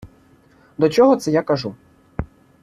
До чого це я кажу?